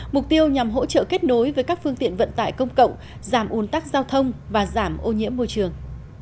mục tiêu nhằm hỗ trợ kết nối với các phương tiện vận tải công cộng giảm ủn tắc giao thông và giảm ô nhiễm môi trường